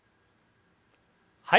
はい。